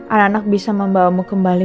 anak anak bisa membawamu kembali